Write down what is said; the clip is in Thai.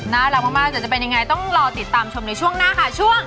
น่ารักมากแต่จะเป็นยังไงต้องรอติดตามชมในช่วงหน้าค่ะช่วง